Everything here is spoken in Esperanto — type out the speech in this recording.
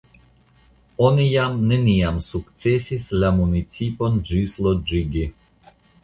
Oni jam neniam sukcesis la municipon ĝisloĝigi.